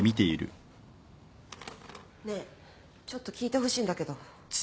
ねえちょっと聞いてほしいんだけど。